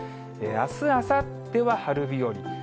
あす、あさっては春日和。